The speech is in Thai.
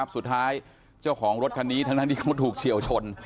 สุดท้ายเจ้าของรถคันนี้ทั้งที่เขาถูกเฉียวชน